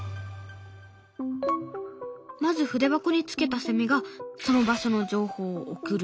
まず筆箱につけたセミがその場所の情報を送る。